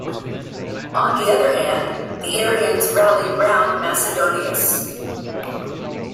On the other hand, the Arians rallied round Macedonius.